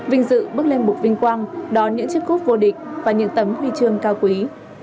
vinh dự bước lên mục vinh quang đón những chiếc cúp vô địch và những tấm huy chương cao quý